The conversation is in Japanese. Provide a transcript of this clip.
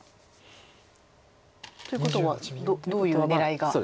ということはどういう狙いが。